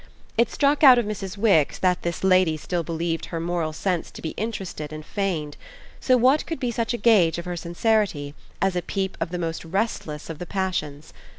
It struck out of Mrs. Wix that this lady still believed her moral sense to be interested and feigned; so what could be such a gage of her sincerity as a peep of the most restless of the passions?